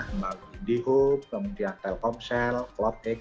melalui indihub kemudian telkomsel cloudx